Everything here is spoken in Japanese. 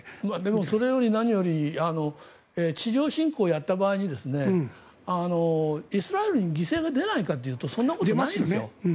それより何より地上侵攻をやった場合にイスラエルに犠牲が出ないかというとそんなことはないんですよ。